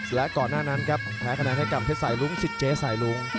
และก่อนหน้านั้นครับแพ้คะแนนให้กับเพชรสายรุ้งสิทธิเจ๊สายลุ้ง